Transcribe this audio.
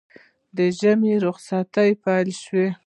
د ژمي روخصت پېل شو